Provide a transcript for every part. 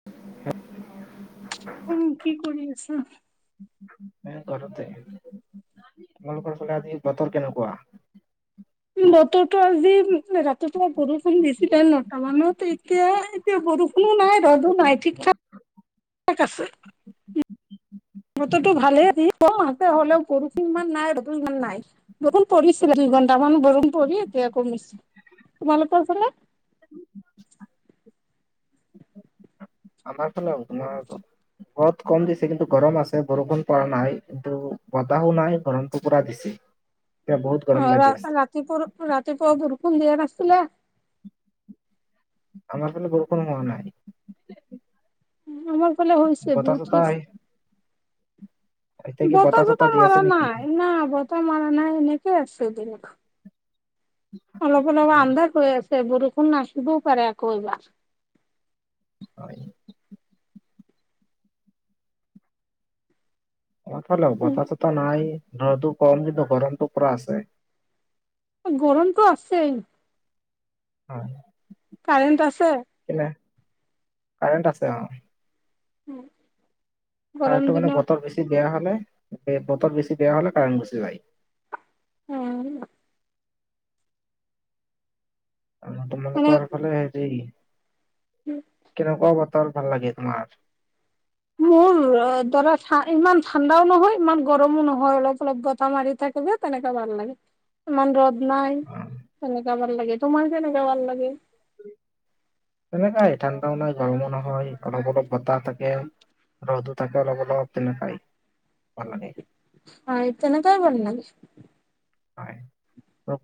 [unintelligible] উম, কি কৰি আছা? এই ঘৰতে তোমালোকৰ ফালে আজি বতৰ কেনেকুৱা? বতৰটো আজি ৰাতি তোমাৰ বৰষুণ দিছে। চিলে নটামানত এতিয়া, এতিয়া বৰষুণো নাই ৰ'দো নাই ঠিক-থাক। থাক আছে। বতৰটো ভালে আজি, হ'লেওঁ বৰষূণ ইমান নাই ৰেদো ইমান নাই। বৰষূণ পৰিছেলে, দুইঘণ্টামান বৰষূণ পৰি এতিয়া কমিছে, তোমালকৰ ফালে? আমাৰ ফালেওঁ তোমাৰ ৰদ কম দিছে, গৰম আছে বৰষুণ পৰা নাই, কিন্তু বতাহওঁ নাই গৰমতটো পুৰা দিছে। এতিয়া বহুত গৰম লাগি আছে। ৰাতিপুৱাৰ পৰা ৰাতিপুৱা বৰষুণ দিয়া নাছিলে। আমাৰ ফলে বৰষূণ হোৱা নাই। আমাৰ ফালে হৈছে বতাহ বহুত দি চতাহ আছে। আহি এতিয়া কি গতে, বতাহ গতে চতাহ দি আছে মাৰা নেকি? নাই, ন, গতে মাৰা নাই, এনেক আছে দিন [inaudible] অলপ, অলপ আন্ধা হৈ আছে, বৰষুণ আহিবও পাৰে আকৌ এবাৰ। [inaudible] হয়। অথ, লও, বতাহ চতাহ নাই, [inaudible] কম কিন্তু গৰমতটো পুৰা আছে। গৰমটো আছেই। হয়। কাৰেণ্ট আছে? কিনে, কাৰেণ্ট আছে। অ, উম, কাৰটো মানে বতৰ বেছি বেয়া হ'লে, বতৰ বেছি বেয়া হ'লে, কাৰাৰেট গুছি যায়। উম, আৰু মানে তোমালোকৰ ফালে হেৰি, কেনেকুৱা বতৰ ভাল লাগে তোমাৰ? মোৰ ধৰা, ইমান নহয়, ইমান গৰমো নহয় অলপ অলপ গটা মাৰি থাকিব। তেনেককা ভাল লাগে, ইমান ৰ'দ নাই অ তেনেকা ভাল লাগে। তোমাৰ কেনেকে ভাল লাগে? তেনেকাই ঠাণ্ডাও নাই, গৰমো নহয়, অলপ অলপ বতাহ থাকে। ৰদ থাকে অলপ, অলপ তেনেকুৱাই ভাল লাগে। হয়, তেনেকেই কৰি হয়,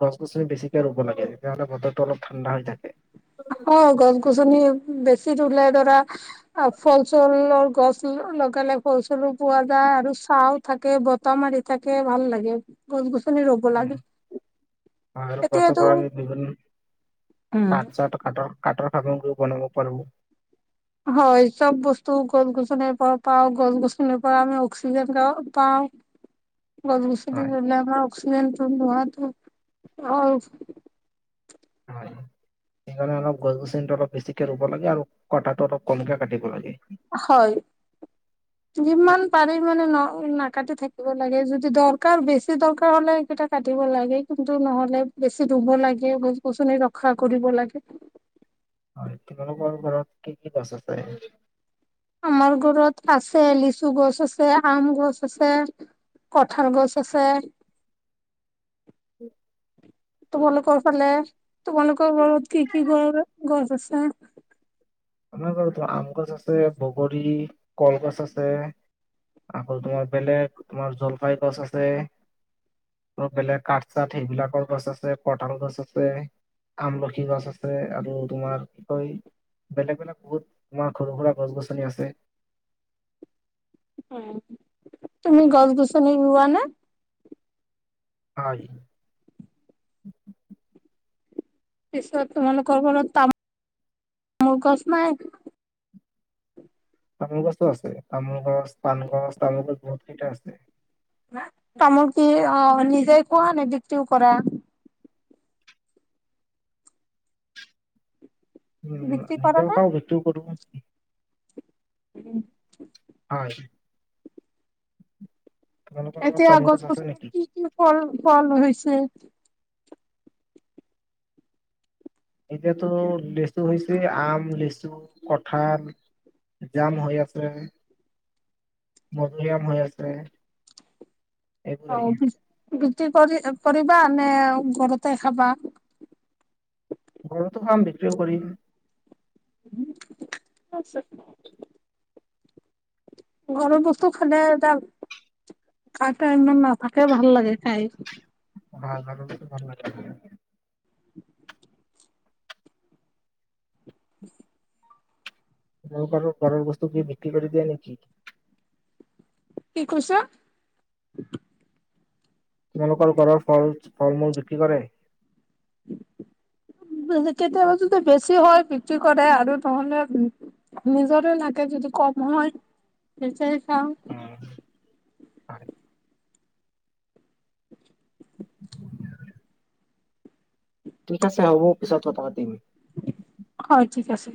গছ-গছনি বেছিকে ৰুব লাগে বতৰটো ঠাণ্ডা হৈ থাকে। অ, গছ-গছনি বেছি ৰুলে ধৰা ফলচলৰ গছ লগাল, লগে ফলচলো পোৱা যায়, আৰু চাহ থাকে বত বতাহ মাৰি থাকে ভাল লাগে গছ-গছনি ৰ'ব লাগে। হয় আৰু এতিয়াতো উম [unintelligible] কাঠৰ [inaudible] বনাব পাৰব। হয়, চব বস্তু গছ-গছনিৰ পৰা পাওঁ, গছ-গছনিৰ পৰা আমি অক্সিজেন পাওঁ। গছ-গছনি হয় ৰুলে আমাৰ অক্সিজজনটো লোৱাতো অ, হয়। সেইকাৰণে অলপ গছ- গছনটো অলপ বেছিকে ৰুব লাগে আৰু কটা টো অলপ কমকে কাটিব লাগে। হয়। যিমান পাৰি মানে ন, নাকাটি থাকিব লাগে। যদি দৰকাৰ বেছি দৰকাৰ হ'লে সেইকেইটা কাটিব লাগে। কিন্তু, নহ'লে বেছি ৰুব লাগে, গছ-গছনি ৰক্ষা কৰিব লাগে। হয়, তোমালোকৰ পৰা কি কি পাইছে তাই? আমাৰ ঘৰত আছে, লিচু গছ, আছে আম গছ আছে। কঠাল গছ আছে। তোমালোকৰ ফালে, তোমালোকৰ ঘৰত কি কি গছ আছে? আমাৰ ঘৰতো আম গছ আছে, বগৰী, কলগছ আছে। আকৌ তোমাৰ বেলেগ, তোমাৰ জলপাই গছ আছে। আৰু বেলেগ কাঠ- চাঠ সেইবিলাকৰ গছ আছে, কটাল গছ আছে। আমলখি গছ আছে, আৰু তোমাৰ কি কয় বেলেগ, বেলেগ বহুত তোমাৰ সৰু-সুৰা, গছ- গছনি আছে। উম, তুমি গছ-গছনি ৰোৱা নে? হয়। পিছত তোমালোকৰ ঘৰত তামো [unintelligible] তামোল গছ নাই? তামোল গছো আছে। তামোল গছ, পান গছ, তামোল গছ বহুত কেইটা আছে। তামোল কি অঁ নিজে খোৱা নে বিক্ৰীও কৰা? উম! বিক্ৰী কৰা নিজেও নে? খাওঁ, বিক্ৰীও কৰোঁ। [unintelligible] হয়। তোমালোকৰ ঘৰত এতিয়া তামোল গছ আছে গছ-গছনি নেকি কি-কি ফল-ফল হৈছে? এতিয়াতো লিচু হৈছে আম, লিচু, কঠাল জাম হৈ আছে। মধুৰিআম হৈ আছে। এইবোৰেই অঁ! বিচ বিক্ৰী কৰি কৰিবা নে ঘৰতে খাবা? ঘৰতে খাম, বিক্ৰীও কৰিম। [unintelligible] ঘৰৰ বস্তু খালে এটা খোৱা টাইমত [unintelligible] ভাল লাগে খাই। ভাল লাগে, ভাল লাগে। [unintelligible] তোমালোকৰো ঘৰৰ বস্তু কি বিক্ৰী কৰি দিয়ে নেকি? কি কৈছা? তোমালোকৰ ঘৰৰ ফল, ফল-মূল বিক্ৰী কৰে? কেতিয়াবা যদি বেছি হয় বিক্ৰী কৰে আৰু নহ'লে নিজৰে লাগে যদি কম হয়, তেতিয়াই খাওঁ। উম! হয়। [unintelligible] ঠিক আছে হ'ব পিছত কথা পাতিম। হয়, ঠিক আছে।